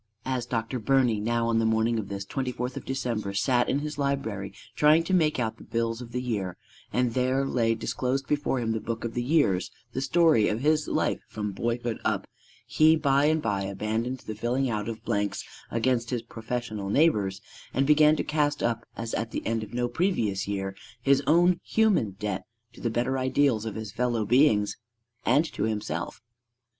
As Dr. Birney now on the morning of this twenty fourth of December sat in his library, trying to make out the bills of the year, and there lay disclosed before him the book of the years the story of his life from boyhood up he by and by abandoned the filling out of blanks against his professional neighbors and began to cast up as at the end of no previous year his own human debt to the better ideals of his fellow beings and to himself.